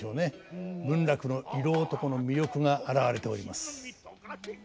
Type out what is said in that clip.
文楽の色男の魅力が現れております。